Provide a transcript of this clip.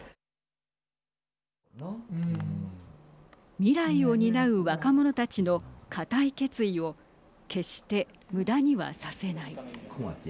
未来を担う若者たちの固い決意を決して無駄にはさせない。